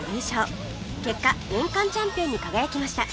結果年間チャンピオンに輝きました